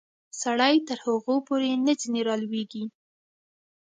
سړی تر هغو پورې نه ځینې رالویږي.